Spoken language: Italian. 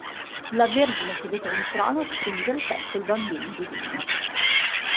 La Vergine seduta in trono stringe al petto il Bambino Divino.